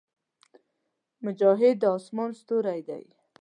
مجاهد د اسمان ستوری دی.